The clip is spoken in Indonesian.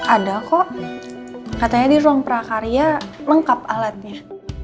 ada kok katanya di ruang prakarya lengkap alatnya